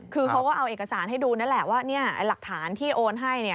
คือเขาก็เอาเอกสารให้ดูนั่นแหละว่าหลักฐานที่โอนให้